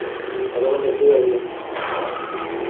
അതുകൊണ്ട് എന്തുകാര്യം